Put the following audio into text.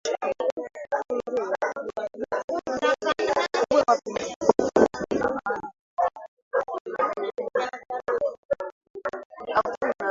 “Sisi ni chama cha Amani, chama cha utawala wa sharia